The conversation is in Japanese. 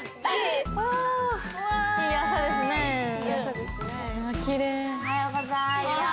おはようございます。